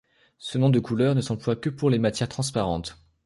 Ce nom de couleur ne s'emploie que pour les matières transparentes.